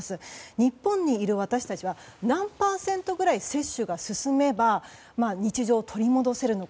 日本にいる私たちは何パーセントぐらい接種が進めば日常を取り戻せるのか。